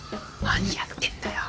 何やってんだよ！